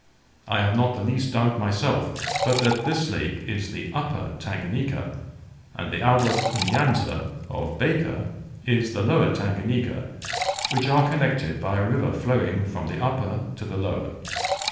I have not the least doubt, myself, but that this lake is the Upper Tanganika, and the Albert N'Yanza of Baker is the Lower Tanganika, which are connected by a river flowing from the upper to the lower.